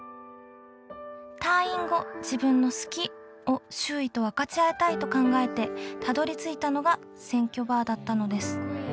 退院後自分の「好き」を周囲と分かち合いたいと考えてたどりついたのが選挙バーだったのです。